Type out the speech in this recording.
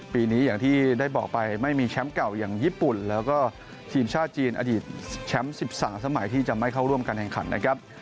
ปีนี้อย่างที่ได้บอกไปไม่มีแชมป์เก่าอย่างญี่ปุ่นแล้วก็ทีมชาติจีนอดีตแชมป์๑๓สมัยที่จะไม่เข้าร่วมการแข่งขันนะครับ